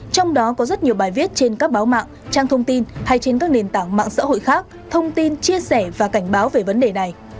trong đó có rất nhiều bài viết trên các báo mạng trang thông tin hay trên các nền tảng mạng xã hội khác thông tin chia sẻ và cảnh báo về vấn đề này